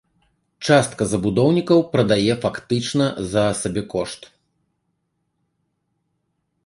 Частка забудоўнікаў прадае фактычна за сабекошт.